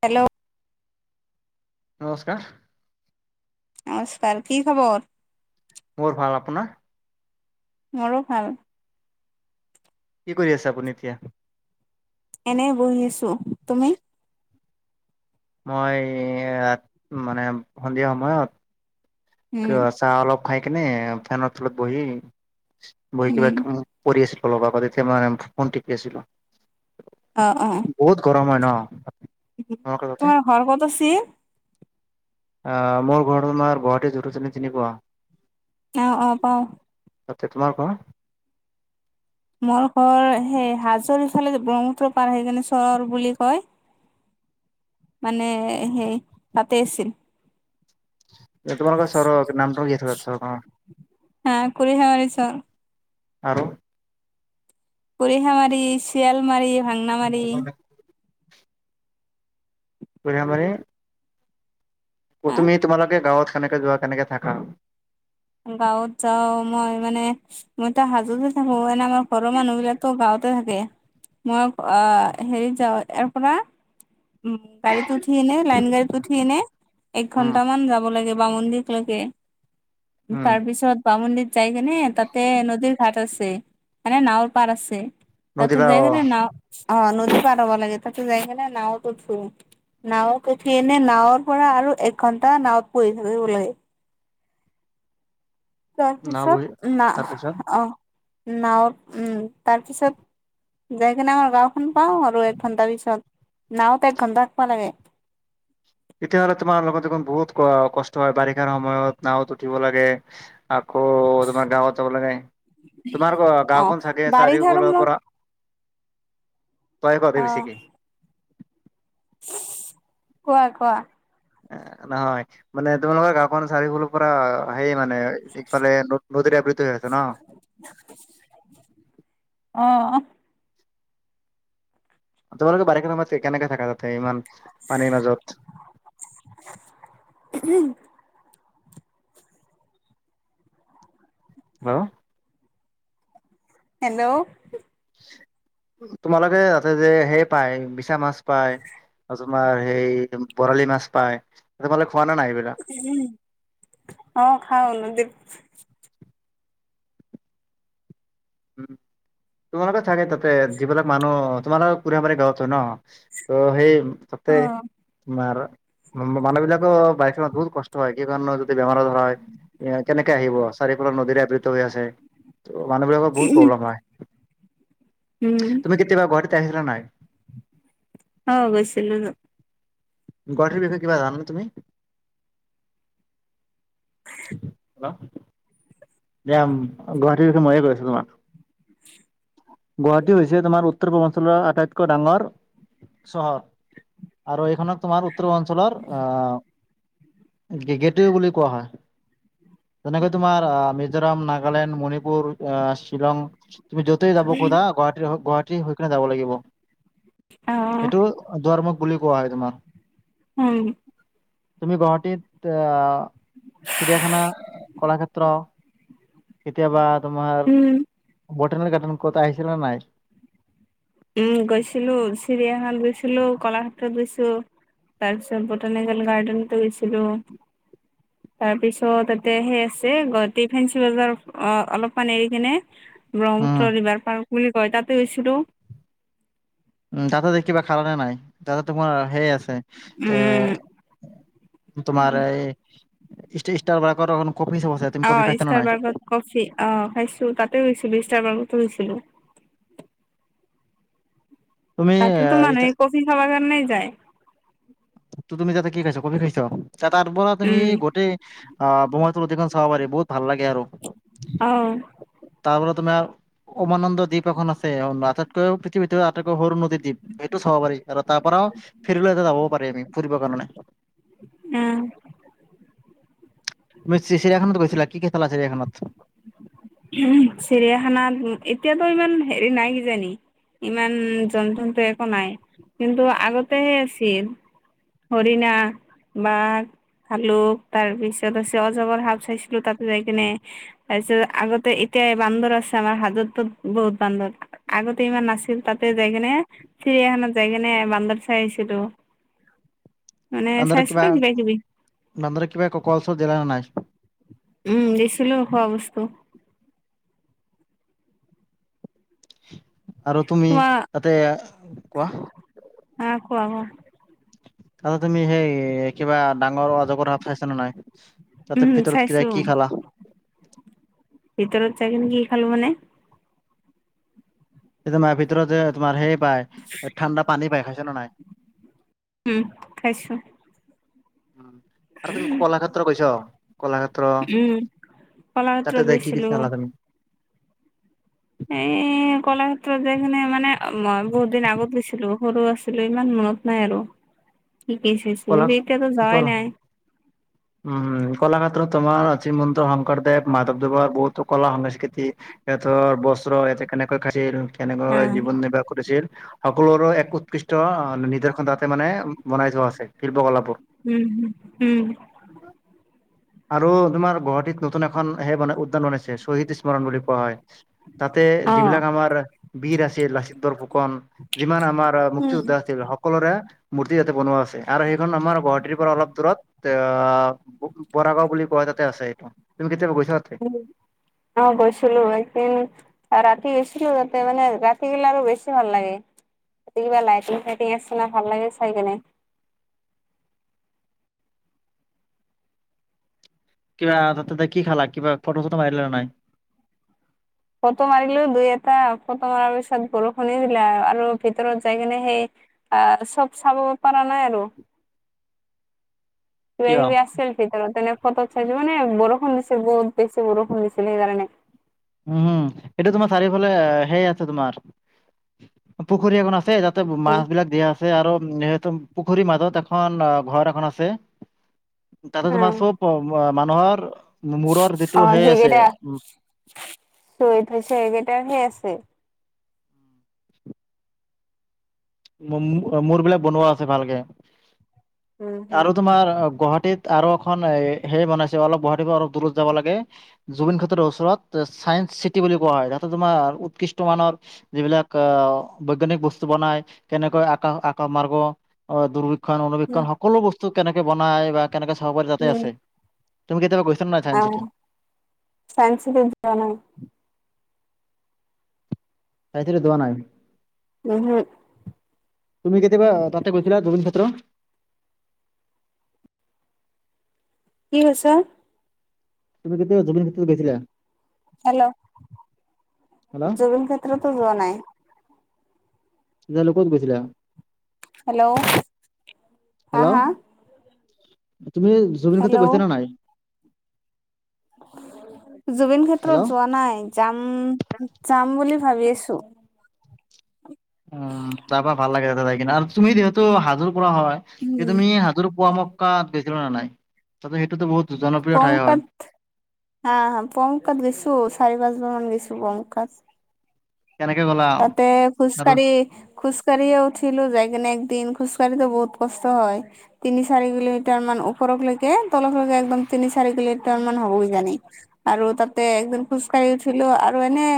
Hello. নমস্কাৰ। নমস্কাৰ, কি খবৰ? মোৰ ভাল, আপোনাৰ? মোৰো ভাল। কি কৰি আছে আপুনি এতিয়া? এনে বহি আছো, তুমি? মই মানে সন্ধিয়া সময়ত উম চাহ অলপ খাই কেনে ফেনৰ তলত বহি বহি কিবা উম কৰি আছিলো লগৰ আগতে এতিয়া মানে ফোন টিপি আছিলো। অ', অ'। বহুত ন [unintelligible] তোমালোকৰ তাতে তোমাৰ ঘৰ ক'ত আছিল? মোৰ ঘৰ তোমাৰ গুৱাহাটী যত [unintelligible] শ্ৰেণী চিনি পোৱা? অ', অ', পাও। তাতে, তোমাৰ ঘৰ? মোৰ ঘৰ সেই হাজোৰ ইফালে ব্ৰহ্মপুত্ৰ পাৰ সেই কিনে চৰ বুলি কয়। মানে সেই তাতে আছিল। তোমাৰোকৰ চৰ নামটো কি [unintelligible] থ চৰ হা কৰি হেৱাৰি চ [unintelligible] আৰু পৰিহা মাৰি, শিয়াল মাৰি, ভাংনা মাৰি। বুঢ মান [unintelligible] হা তুমি তোমালোকে গাঁৱত কেনেকে যোৱা কেনেকে থাকা? গাঁৱত যাওঁ মই মানে মইতো হাজোতে থাকো, এনে আমাৰ ঘৰৰ মানুহবিলাক গাঁৱত থাকে, মই আহ হেৰিত যাওঁ ইয়াৰ পৰা উম গাড়ীত উঠি এনে লাইন গাড়ীত উঠি এনে এক উম ঘন্টা মান যাব লাগে। বামন্দিৰ লকে, উম তাৰপিছত বামন্দিৰ যাই কিনে তাতে নদীৰ ঘাাট আছে মানে নাঁৱৰ পাৰ আছে। নদী তাতে বা যাই অ গলে নাওঁ অ', নদী পাৰ হ'ব লাগে তাতে যাই গ'লে নাওঁত উঠো। নাওঁত উঠি এনে নাৱৰ পৰা আৰু এক ঘন্টা নাৱত পহি থাকিব লাগে নাও বহি তাৰপিছত না তাৰপিছত আহ নাওঁ উম তাৰপিছত যাই কিনে আমাৰ গাওঁখন পাওঁ আৰু এক ঘন্টা পিছত নাওতে এক ঘন্টা খিব লাগে [inaudible] তেতিয়াহ'লে তোমাৰ লগত দেখোন বহুত ক কষ্ট হয় বাৰিষাৰ সময়ত নাঁৱত উঠিব লাগে আকৌ তোমাৰ গাঁৱত যাব লাগে। তোমাৰ অ গাওখন চাগে আ বাৰিষাৰো চাৰিওফালৰ মোৰ পৰা তই কধ অ বেছ কি কোৱা কোৱা নহয় মানে তোমালোকৰ গক চাৰিওফুলৰ পৰা সেই মানে ইফালে নদী আবৃত্তি হৈ আছে ন'। [inaudible] অ তবাৰ বাৰে কাম ম কেনেকে [unintelligible] থকা যাতে ইমান পানীৰ মাজত উম হা হেল্ল' তোমালোকে তাতে যে সেই পায় বিছা মাছ পায় তোমাৰ সেই বৰালি মাছ পায় তোমালে উ অ খাওনো উম তোমালোকে থাকে তাতে যিবিলাক মানুহ তোমালোকৰ কোনে পান গাৱ হয় ন ত সেই ত তোমাৰ মানুহ বিলাকো বাইক চত বহুত কষ্ট হয় কি কাৰণ বেমাৰৰ হয় কেনেকে আহিব চাৰিফালৰ নদীৰে আবৃত হৈ আছে মানুহবাক বহুত প্ৰব্লেম আহ উম তুমি কেতিয়াবা ঘুৱৰীতে আহিছিলা নাই অ বৈছ নাগ গ়ীৰ বিষয়ে কিবা জান ন তুমি হেল দ গুৱাহাটীে ময়ে গৈ আছো তোমাক গুৱাহাটী হৈছে তোমাৰ উত্তৰ পূৰ্বাঞ্চলৰ আটাইতকৈ ডাঙৰ চহৰ আৰু এইখনক তোমাৰ উত্তৰ অঞ্চলৰ আহ গেটৱে বুলি কোৱা হয় তেনেকৈ তোমাৰ মিজোৰাম নাগালেণ্ড মণিপুৰ আহ শ্বিলং তুমি য'তেই যাব কোা গুৱাহ গুৱাহাটীৰ হৈকনে যাব লাগিব অ সেইটো দাৰমুখ বুলি কোৱা হয় তোমাৰ উম তুমি গুৱাহাটীত আহ চিৰিয়াখানা কলাক্ষেত্ৰ কেতিয়াবা তোমাৰ উম বটেনিক গাৰ্ডেন ক'ত আহিছিলা নে নাই? উম গৈছিলো চিৰিয়াখানাত গৈছিলো কলাক্ষেত্ৰত গৈছো তাৰপিছত বটানিকেল গাৰ্ডেনতো গৈছিলো। [inaudible] তাৰ পিছত তাতে সেই আছে গুৱাহাটী ফেঞ্চি বজাৰ অ অলপমান এৰি কিনে উম ব্ৰহ্মপুত্ৰ ৰিভাৰ পাৰ্ক বুলি কয় তাতে গৈছিলো উম তাতে যাই কিবা খালানে নাই তাতে তোমাৰ সেয় আছে। এ উম তোমাৰ এই [unintelligible] বিলাকত অকণ অ ইষ্টাৰবাৰ্গত কফি অ খাইছো তাতে গৈছিলো ষ্টাৰবাৰ্গতো গৈছিলো। [inaudible] তাতেতো তুমি মানুহে কফি খাবাৰ কাৰনে এ যায়। ত তুমি তাতে কি খাইছ? কফি খাইছ তাৰ পৰা তুমি উম গোতেই ব্ৰহ্মপুত্ৰ নদীখন চাব পাৰি বহুত ভাল লাগে আৰু। অ তাৰ পৰা তোমাৰ উমানন্দ দ্বীপ এখন আছে আটাইতকৈ পৃথিৱীৰ ভিতৰত আটাইতকৈ সৰু নদী দ্বীপ সেইটো চাব পাৰি আৰু তাৰ পৰাও ফেৰি লৈ যাবও পাৰি আমি ফুৰিবৰ কাৰণে উম। তুমি চিৰিয়াখানাতো গৈছিলা, কি কি চালা চিৰিয়াখানাত? চিৰিয়াখানাত এতিয়াতো ইমান হেৰি নাই কিজানি ইমান জন্তু-চন্তু একো নাই, কিন্তু আগতেহে আছিল। হৰিনা, বাঘ ভালুক তাৰ পিছত আছে অজগৰ সাপ চাইছিলো তাতে যাই কিনে তাৰপিছত আগতে এতিয়া এ বান্দৰ আছে আমাৰ হাজতটো বহুত বান্দৰ আগতে ইমান নাছিল তাতে যাই কিনে চিৰিয়াখানাত যাই কিনে বান্দৰ চাই আহিছিলো [inaudible] মানে বান্দৰক চাইছিলো কিবা, কিবি বান্দৰক কিবা কল-চল দিলা নে নাই? উম, দিছিলো খোৱা বস্তু। আৰু তুমি তোমাৰ তাতে, কোৱা উম, কোৱা কোৱা। তাতে তুমি সেই, কিবা ডাঙৰ অজগৰ সাপ চাইছা নে নাই? তাতে উম ভিতৰত কি চাইছো, কি খালা ভিতৰত যাই কিনে কি খালো মানে সেই তোমাৰ ভিতৰত যে তোমাৰ সেই পাই, ঠাণ্ডা পানী পাই, খাইছা নে নাই? উম, খাইছো। উম, আৰু তুমি কলাক্ষেত্ৰ গৈছ? কলাক্ষেত্ৰ, উম কলাক্ষেত্ৰত তাতে যাই কি কি গৈছিলো চালা তুমি? এই কলাক্ষেত্ৰত যাই কিনে মানে, মই বহুত দিন আগত গৈছিলো। সৰু আছিলো, ইমান মনত নাই আৰু। কি কি চাইছিলোঁ, কলা কিন্তু এতিয়াতো যোৱাই কলা নাই। উম, কলাক্ষেত্ৰত তোমাৰ শ্ৰীমন্ত শংকৰদেৱ মাধৱদেৱৰ বহুতো কলা সংস্কৃতি সিহঁতৰ বস্ত্ৰ, ইহঁতে কেনেকৈ খাইছিল, অ কেনেকৈ জীৱন নিৰ্বাহ কৰিছিল সকলোৰো এক উৎকৃষ্ট নিদৰ্শন তাতে মানে বনাই থোৱা আছে, শিল্পকলাবোৰ। উম, উম। [inaudible] আৰু তোমাৰ গুৱাহাটীত নতুন এখন সেই মানে উদ্যান বনাইছে, শ্বহীদ স্মৰণ বুলি কোৱা হয়। তাতে অ যিবিলাক আমাৰ বীৰ আছে, লাচিত বৰফুকন যিমান আমাৰ উম মুক্তিযোদ্ধা আছিল, সকলোৰে মূৰ্তি তাতে বনোৱা আছে, আৰু সেইখন আমাৰ গুৱাহাটীৰ পৰা অলপ দূৰত, অ' বৰাগাঁও বুলি কোৱা হয় তাতে আছে এইটো, এইটো কেতিয়াবা গৈ উম, অ' গৈছিলো একদিন ৰাত ৰাতি গৈছিলো তাতে মানে, ৰাতি গ'লে আৰু বেছি ভাল লাগে। তাতে কিবা লাইটিং চাইটিং আছে না, ভাল লাগে চাই কিনে। কিবা তাত-তাতে কি খালা, কিবা ফটো চটো মাৰিলা নে নাই? ফটো মাৰিলো দুই এটা, ফটো মৰাৰ পিছত বৰষুণেই দিলে, আৰু ভিতৰত যাই কিনে সেই অ', চব চাব পৰা নাই আৰু। কিবা কিয় কিবি আছিল ভিতৰত, তেনেক ফটোত চাইছোঁ, মানে বৰষুণ দিছিল, বহুত বছি বৰষুণ দিছিলে, সেইকাৰণে উম, এইটো তোমাৰ চাৰিওফালে হেৰি আছে তোমাৰ, পুখুৰী এখন আছে তাত মাছ উম বিলাক দিয়া আছে আৰু সেইটো পুখুৰীৰ মাজত এখন ঘৰ এখন আছে। তাতে তোমাৰ উম চব মানুহৰ মূৰৰ যিটো সেই আছে, উ কৈ থৈছে, এইকেইটাহে আছে। মূ-মূ-মূৰবিলাক বনোৱা আছে ভালকে, উম হম আৰু তোমাৰ গুৱাহাট ৱাহাটীত আৰু এখন এ হেৰি বনাইছে অলপ গুৱাহাটীত অলপ দূৰত যাব লাগে, জুবিনক্ষেত্ৰৰ ওচৰত, তাচ চায়েঞ্চ চিটি বুলি কোৱা হয়, তাতে তোমাৰ উৎকৃষ্ট মানৰ যিবিলাক বৈজ্ঞানিক বস্তু বনায় কেনেকৈ আকাশ-আকাশ মাৰ্গ, অ' দুৰ্বিক্ষণ অণুবীক্ষণ, উম সকলো বস্তু কেনেকে বনাই বা কেনেকৈ চাব পাৰি তাতে আছে, তুমি কেতিয়াবা গৈ অহ' চাইন চিটিত যোৱা নাই? চাই তোৰো যোৱা নাই। উমহোক। তুমি কেতিয়াবা তাতে গৈছিলা, জুবিন ক্ষেত্ৰ। কি হৈছে? তুমি কেতিয়াবা জুবিনক্ষেত্ৰ গৈছিলা? হেল্ল', হেল্ল' জুবিন ক্ষেত্ৰতো যোৱা নাই। জালুকত গৈছিলা? হেল্ল', হা হেল্ল' হা? তুমি জুবিনক্ষেত্ৰ হেল্ল' গৈছানে নাই? [inaudible] জুবিন হেল্ল' ক্ষেত্ৰত যোৱা নাই। যাম-যাম বুলি ভাবি আছো। উম' তাৰপৰা ভাল লাগে তাতে যায় কিনে। আৰু তুমি যিহেতু হাজোৰ পৰা হয়। কি উম। তুমি হাজোৰ পোৱামক্কা গৈছিলা নে নাই? তাতে সেইটোতো বহুত জনপ্ৰিয় ঠাই হয়, পোৱামক্কাত হা হা, পোৱামক্কাত গৈছোঁ। চাৰি পাঁচ বাৰ মান গৈছোঁ। পোৱামক্কাত। কেনেকে গ'লা তাতে খোজ আৰু কাঢ়ি, খোজ কাঢ়িয়ে উঠিলো যায় একদিন। খোজ খোজ কাঢ়িতো বহুত কষ্ট হয়। তিনি চাৰি কিলোমিটাৰ মান ওৰকলৈকে, তলকৈ একদম তিনি চাৰি কিলোমিটাৰ হ'ব কিজানি। আৰু তাতে একদিন খোজকাঢ়ি উঠিলো। আৰু এনেই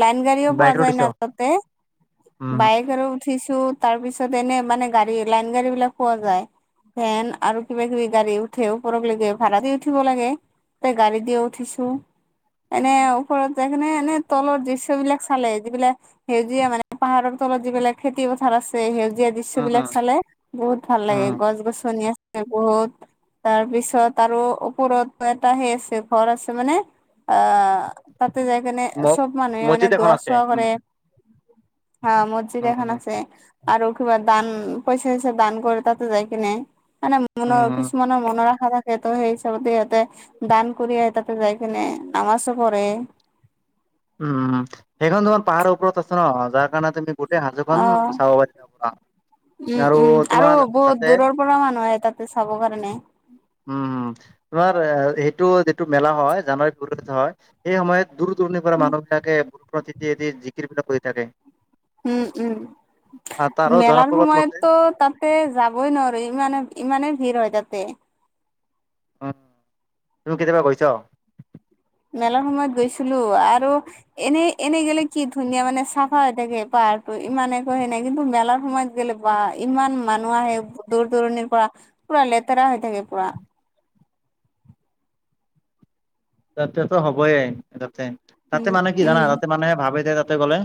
লাইন গাড়ীও পোৱা বাইক ত যায় দিছ না তাতে। উম। হম। বাইক আৰু উঠিছোঁ তাৰপিছত এনেই মানে, গাড়ী লাইন গাড়ীবিলাক পোৱা যায়। ভেন আৰু কিবা কিবি গাড়ী উঠে ওপৰলৈকে, ভাড়া দি উঠিব লাগে। তে গাড়ী দিয়ো উঠিছোঁ। এনেই ওপৰত যায় কিনে, এনেই তলৰ দৃশ্যবিলাক চালে যিবিলাক সেউজীয়া মানে পাহাৰৰ তলত যিবিলাক খেতি পথাৰ আছে। সেউজীয়া সেউজীয়া উম, দৃশ্যবিলাক উম, চালে, বহুত ভাল লাগে। উম। গছ-গছনি আছে বহুত। তাৰপিছত আৰু ওপৰত এটা সেই আছে, ঘৰ আছে মানে অহ তাতে যাই কিনে, ম চব মানুহে মছজিদ মানে এখন দুৱা আছে চোৱা উম। কৰে। হা, মছজিদা উম। এখান উম, আছে, আৰু কিবা দান পইচা চাইছা দান কৰে ততে যায় কিনে। মানে উম, মনৰ, উম। কিছুমানৰ মনৰ আশা আশা থাকে। ত' সেই চব দি ইহঁতে দান কৰিয়ে তাতে যায় কিনে নামাজো পঢ়ে। উম' সেইখন তোমাৰ পাহাৰৰ ওপৰত আছে ন, যাৰ কাৰণে তুমি গোটেই অ হাজোখন চাব পাৰি। [unintelligible] উম', উম' আৰু বহুত দূৰৰ পৰা মানুহ আহে তাতে চাব কাৰণে। উম'। তোমাৰ সেইটো যিটো মেলা হয়, জানুৱাৰী ফেব্ৰুৱাৰীত হয়। সেই সময়ত দূৰ দূৰ মানুহ বিলাকে প্ৰটেকে দিয়ে দি, জিকিৰবিলাক বহি থাকে। উম', উম'। আৰু তাৰো মেলাৰ জনপ্ৰবাদ মতে সময়ততো তাতে যাবই নোৱাৰি ইমানে ইমানে ভিৰ হয় তাতে। উম' তুমি কেতিয়াবা গৈছ। মেলাৰ সময়ত গৈছিলো। আৰু এনেই এনেই গ'লে কি ধুনীয়া মানে চাফা হৈ থাকে পাৰ্ক। ইমান একো সেনেকে, কিন্তু মেলাৰ সময়ত গ'লে বা ইমান মানুহ আহে দূৰ-দূৰণিৰ পৰা। পুৰা লেতেৰা হৈ থাকে, পুৰা। [inaudible] তাতেটো হ'বই তাতে। তাতে উম মানে কি জানা, উম তাতে মানে ভাবে যে তাতে গ'লে